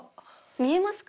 見えますか？